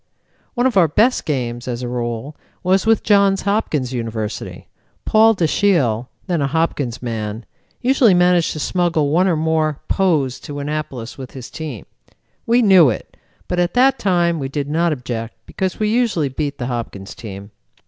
"One of our best games, as a rule, was with Johns Hopkins University. Paul Dashiell, then a Hopkins man, usually managed to smuggle one or more Poes to Annapolis with his team. We knew it, but at that time we did not object because we usually beat the Hopkins team.